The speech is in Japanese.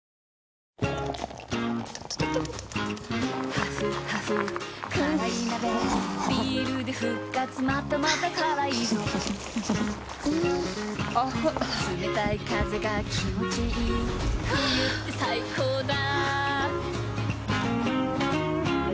ハフハフ辛い鍋ビールで復活またまた辛いぞ冷たい風が気持ちいい冬って最高だ